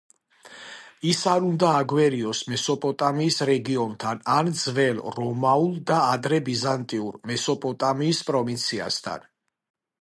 ის არ უნდა აგვერიოს მესოპოტამიის რეგიონთან ან ძველ რომაულ და ადრე ბიზანტიურ მესოპოტამიის პროვინციასთან.